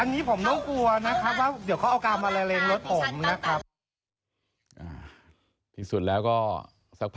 อันนี้ผมต้องกลัวนะครับว่าเดี๋ยวเขาเอากามาละเลงรถผมนะครับ